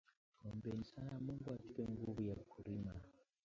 Tuombeni sana mungu atupe nguvu ya kurima